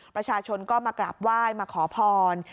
ประชาชนก็มากราบไหว้มาขอพร